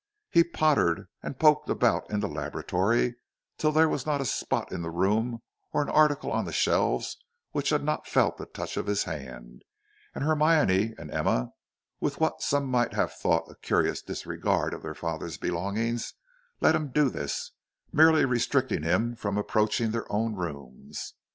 He pottered and poked about in the laboratory, till there was not a spot in the room or an article on the shelves which had not felt the touch of his hand; and Hermione and Emma, with what some might have thought a curious disregard of their father's belongings, let him do this, merely restricting him from approaching their own rooms.